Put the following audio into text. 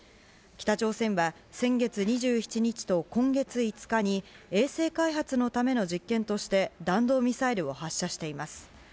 北朝鮮は先月２７日と今月５日に衛星開発のための実験として弾道ミサイルを発射しています。